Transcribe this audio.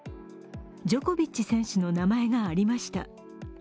ジョコビッチ選手の名前がありました。